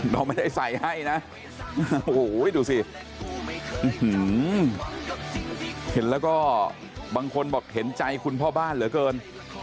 เราไม่ได้ใส่ให้นะโอ้โหดูสิเห็นแล้วก็บางคนบอกเห็นใจคุณพ่อบ้านเหลือเกิน